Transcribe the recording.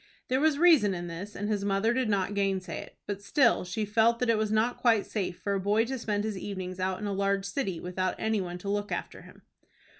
There was reason in this, and his mother did not gainsay it, but still she felt that it was not quite safe for a boy to spend his evenings out in a large city, without any one to look after him.